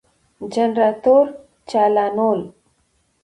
جنراتور چالانول ،